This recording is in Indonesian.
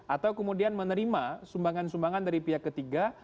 atau kemudian menerima sumbangan sumbangan dari pihak ketiga